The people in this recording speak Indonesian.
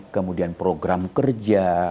kemudian program kerja